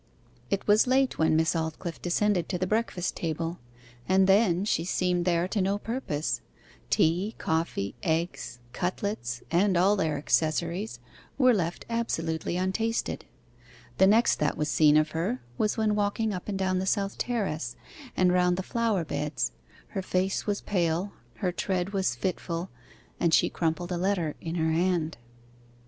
It was late when Miss Aldclyffe descended to the breakfast table and then she seemed there to no purpose; tea, coffee, eggs, cutlets, and all their accessories, were left absolutely untasted. The next that was seen of her was when walking up and down the south terrace, and round the flower beds; her face was pale, and her tread was fitful, and she crumpled a letter in her hand.